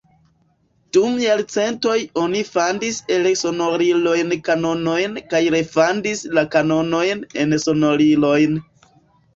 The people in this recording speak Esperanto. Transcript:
Dum jarcentoj oni fandis el sonoriloj kanonojn kaj refandis la kanonojn en sonorilojn.